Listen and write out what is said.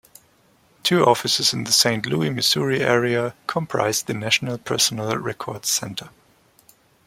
Two offices in the Saint Louis, Missouri area comprise the National Personnel Records Center.